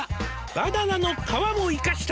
「バナナの皮も生かした」